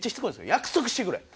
「約束してくれ。